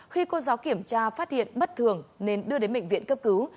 khi cô giáo kiểm tra phát hiện bất thường nên đưa đến bệnh viện cấp cứu